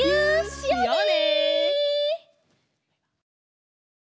しようね！